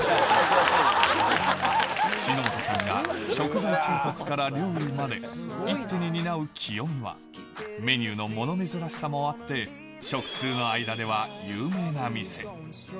篠本さんが食材調達から料理まで、一手に担うきよみは、メニューの物珍しさもあって、食通の間では有名な店。